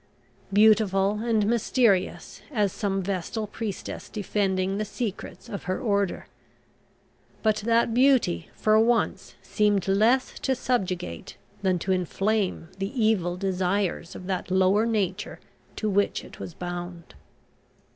Beautiful and mysterious as some vestal priestess defending the secrets of her Order. But that beauty, for once, seemed less to subjugate than to inflame the evil desires of that lower nature to which it was bound.